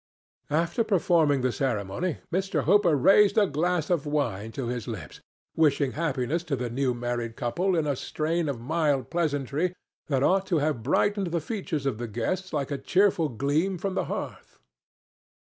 After performing the ceremony Mr. Hooper raised a glass of wine to his lips, wishing happiness to the new married couple in a strain of mild pleasantry that ought to have brightened the features of the guests like a cheerful gleam from the hearth.